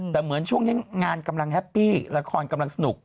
แต่เหมือนช่วงนี้งานกำลังแฮปปี้ละครกำลังสนุก